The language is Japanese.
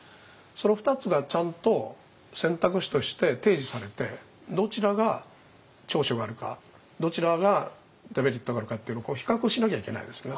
その２つがちゃんと選択肢として提示されてどちらが長所があるかどちらがデメリットがあるかっていうの比較しなきゃいけないですね。